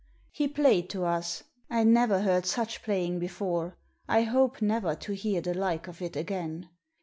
He played to us. I never heard such playing before. I hope never to hear the like of it again.